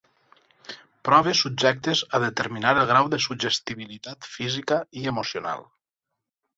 Proves subjectes a determinar el grau de suggestibilitat física i emocional.